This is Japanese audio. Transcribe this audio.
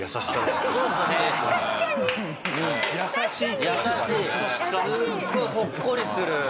すごいほっこりする。